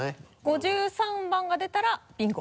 ５３番が出たらビンゴ？